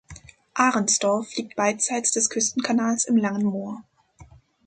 Ahrensdorf liegt beidseits des Küstenkanals im „Langen Moor“.